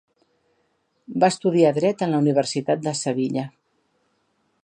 Va estudiar Dret en la Universitat de Sevilla.